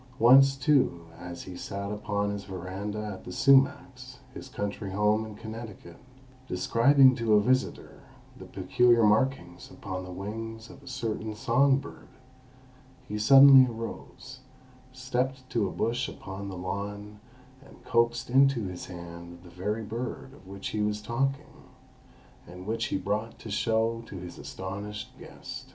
Once, too, as he sat upon his veranda at The Sumacs, his country home in Connecticut, describing to a visitor the peculiar markings upon the wings of a certain song bird, he suddenly arose, stepped to a bush upon the lawn, and coaxed into his hand the very bird of which he was talking, and which he brought to show to his astonished guest.